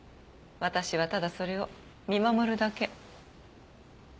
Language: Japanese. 私はただそれを見守るだけ。